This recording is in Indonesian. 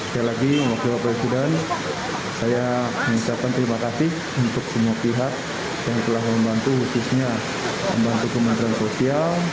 sekali lagi wakil presiden saya mengucapkan terima kasih untuk semua pihak yang telah membantu khususnya membantu kementerian sosial